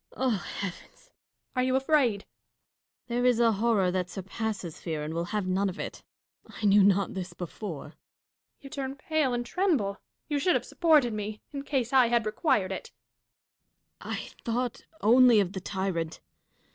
Dashkof. Oh, heavens ! Catharine. Are you afraid ? Dashkof. There is a horror that surpasses fear, and will have none of it. I knew not this before. Catharine. You turn pale and tremble. You should have supported me, in case I had required it. Dashkof. I thought only of the tyrant.